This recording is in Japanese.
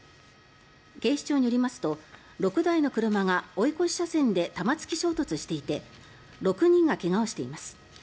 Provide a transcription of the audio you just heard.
警視庁によりますと６台の車が追い越し車線で玉突き衝突していて６人が怪我をしています。